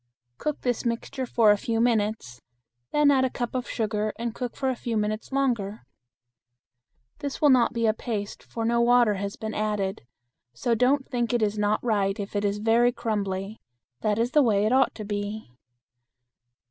Cook this mixture for a few minutes, then add a cup of sugar and cook for a few minutes longer. This will not be a paste, for no water has been added; so don't think it is not right if it is very crumbly; that is the way it ought to be.